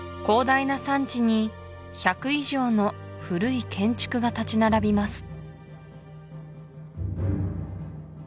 広大な山地に１００以上の古い建築が立ち並びます